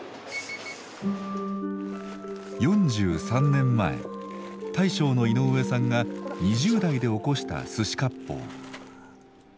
４３年前大将の井上さんが２０代でおこした寿司割烹。